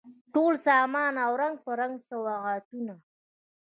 ټول سامان او رنګ په رنګ سوغاتونه